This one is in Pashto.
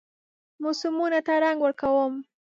موسمونو ته رنګ ورکوم